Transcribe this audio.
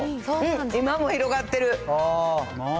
今も広がってる。